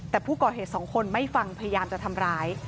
แต่ผู้ก่อเหตุสองคนไม่ฟังพยายามจะทำร้าย